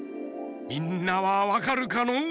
みんなはわかるかのう？